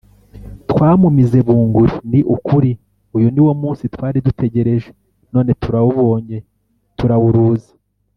Twamumize bunguri, Ni ukuri uyu ni wo munsi twari dutegereje, None turawubonye, turawuruzi.